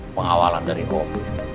pengawalan dari om